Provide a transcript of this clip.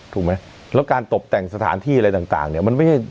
ถูกมั้ยแล้วการตบแต่งสถานที่อะไรต่างเนี่ย